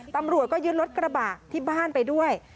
ตำรวจก็ยึดรถกระบะที่บ้านไปด้วย